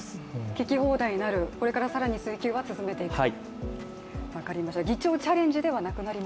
聞き放題になる、これから更に追及は続けていくと。